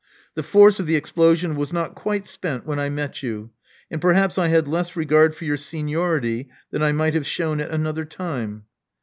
The force of the explosion was not quite spent when I met you; and perhaps I had less regard for your seniority than I might have shewn at another time."